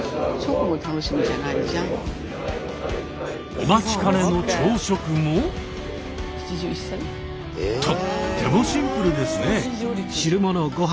お待ちかねの朝食もとってもシンプルですね。